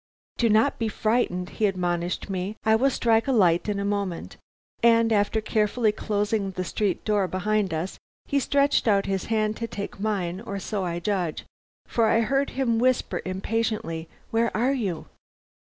"'Do not be frightened!' he admonished me. 'I will strike a light in a moment.' And after carefully closing the street door behind us, he stretched out his hand to take mine, or so I judge, for I heard him whisper impatiently, 'Where are you?'